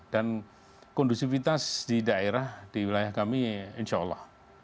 dan kondusivitas di daerah di wilayah kami insya allah